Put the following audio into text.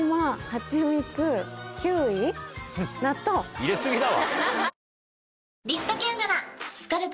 入れ過ぎだわ！